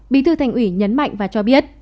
bí thư thành ủy nhấn mạnh và cho biết